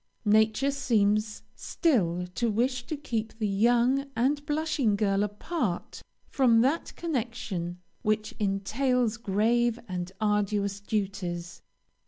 Nature seems still to wish to keep the young and blushing girl apart from that connection which entails grave and arduous duties.